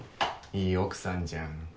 いい奥さんじゃん。